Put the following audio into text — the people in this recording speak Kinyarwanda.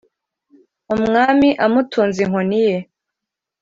umwami amutunze inkoni ye